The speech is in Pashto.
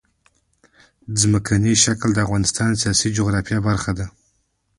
ځمکنی شکل د افغانستان د سیاسي جغرافیه برخه ده.